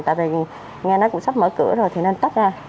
tại vì nghe nó cũng sắp mở cửa rồi thì nên tắt ra